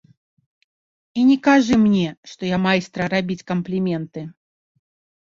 І не кажы мне, што я майстра рабіць кампліменты.